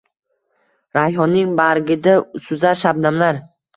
Rayhonning bargida suzar shabnamlar.